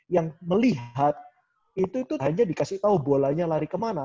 yang melihat itu itu hanya dikasih tahu bolanya lari kemana